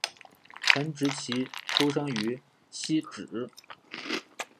陈植棋出生于汐止